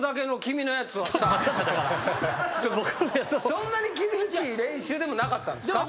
そんなに厳しい練習でもなかったんですか？